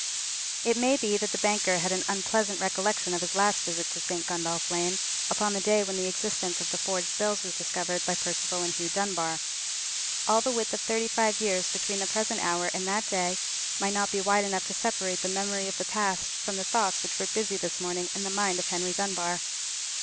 It may be that the banker had an unpleasant recollection of his last visit to St. Gundolph Lane, upon the day when the existence of the forged bills was discovered by Percival and Hugh Dunbar. All the width of thirty five years between the present hour and that day might not be wide enough to separate the memory of the past from the thoughts which were busy this morning in the mind of Henry Dunbar.